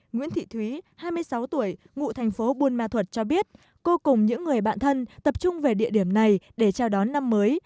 nguyễn thị thúy hai mươi sáu tuổi ngụ thành phố buôn ma thuật cho biết cô cùng những người bạn thân tập trung về địa điểm này để chào đón năm mới